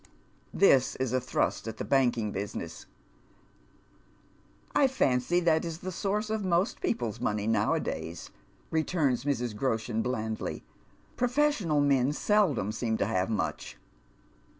This is a thrust at the banking business. •' I fancy that is the source of most people's money now a days," returns Mrs. Groshen, blandly. " Professional men seldom seem to have much."